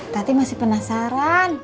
tati masih penasaran